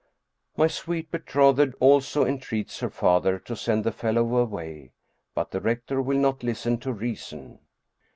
My sweet betrothed also en treats her father to send the fellow away, but the rec tor will not listen to reason.